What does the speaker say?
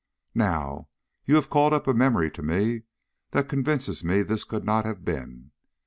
Now, you have called up a memory to me that convinces me this could not have been.